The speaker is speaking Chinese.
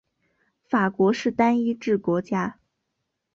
法国是单一制国家。